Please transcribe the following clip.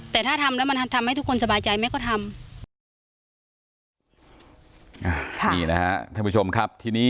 แต่ถ้าทำแล้วมันทำให้ทุกคนสบายใจไหมก็ทำ